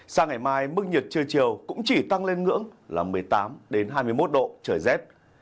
sang ngày mai mức nhiệt trưa chiều cũng chỉ tăng lên ngưỡng là một mươi tám hai mươi một độ trời rét